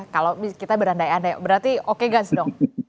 kalau kita berandai andai berarti oke gus dong